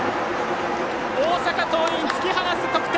大阪桐蔭、突き放す得点！